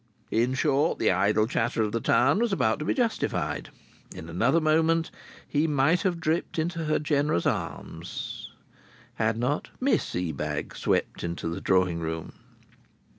In short, the idle chatter of the town was about to be justified. In another moment he might have dripped into her generous arms ... had not Miss Ebag swept into the drawing room!